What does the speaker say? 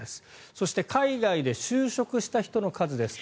そして海外で就職した人の数です。